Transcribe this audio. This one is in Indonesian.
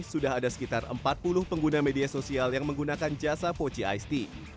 sudah ada sekitar empat puluh pengguna media sosial yang menggunakan jasa pocit